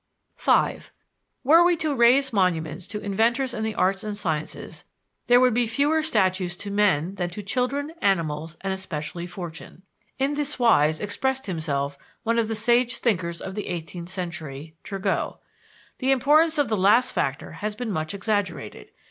V "Were we to raise monuments to inventors in the arts and sciences, there would be fewer statues to men than to children, animals, and especially fortune." In this wise expressed himself one of the sage thinkers of the eighteenth century, Turgot. The importance of the last factor has been much exaggerated.